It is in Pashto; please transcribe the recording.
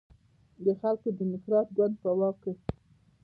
د خلکو دیموکراتیک ګوند په واک کې.